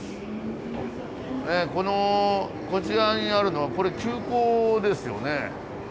このこちらにあるのはこれ急行ですよね。